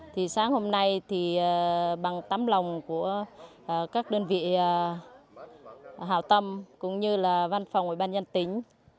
thì sáng hôm nay thì bằng tấm lòng của các đơn vị hào tâm cũng như là văn phòng ủy ban nhân tỉnh